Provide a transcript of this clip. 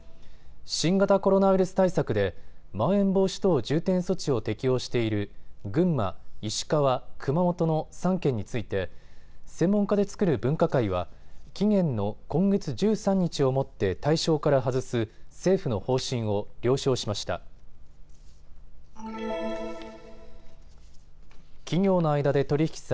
新型コロナウイルス対策でまん延防止等重点措置を適用している群馬、石川、熊本の３県について専門家で作る分科会は期限の今月１３日をもって対象から外す政府の方針を了承しました。